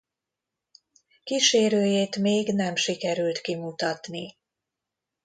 Kísérőjét még nem sikerült kimutatni.